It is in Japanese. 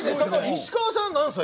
石川さん何歳？